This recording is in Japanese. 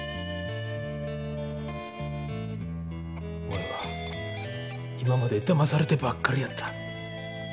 おれは今までだまされてばっかりやった。